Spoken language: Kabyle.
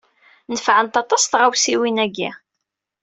Nefɛent aṭas tɣawsiwin-agi.